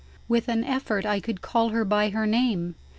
With an effort I could call her by her name.